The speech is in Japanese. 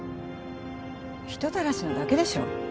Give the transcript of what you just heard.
人たらしなだけでしょ